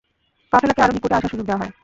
কাফেলাকে আরো নিকটে আসার সুযোগ দেয়া হয়।